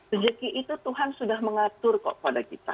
rezeki itu tuhan sudah mengatur kok pada kita